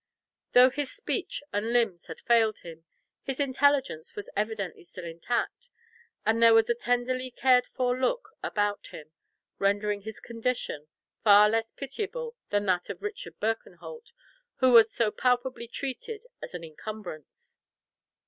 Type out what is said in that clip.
Though his speech and limbs had failed him, his intelligence was evidently still intact, and there was a tenderly cared for look about him, rendering his condition far less pitiable than that of Richard Birkenholt, who was so palpably treated as an incumbrance.